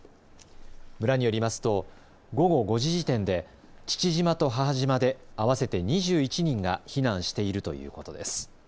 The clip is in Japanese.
村によりますと午後５時時点で父島と母島で合わせて２１人が避難しているということです。